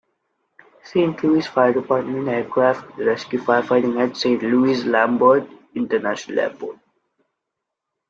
Saint Louis Fire Department - Aircraft Rescue Firefighting at Saint Louis Lambert International Airport.